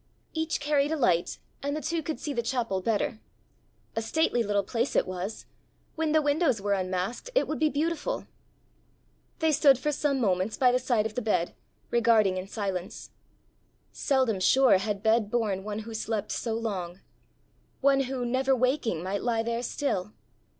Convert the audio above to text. Each carried a light, and the two could see the chapel better. A stately little place it was: when the windows were unmasked, it would be beautiful! They stood for some moments by the side of the bed, regarding in silence. Seldom sure had bed borne one who slept so long! one who, never waking might lie there still!